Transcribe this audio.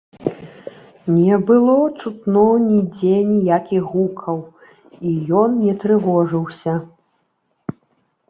Не было чутно нідзе ніякіх гукаў, і ён не трывожыўся.